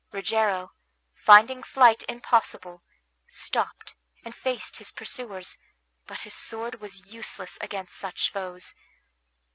Rogero, finding flight impossible, stopped and faced his pursuers; but his sword was useless against such foes.